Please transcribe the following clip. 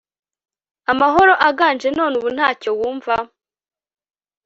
amahoro aganje none ubu ntacyo wumva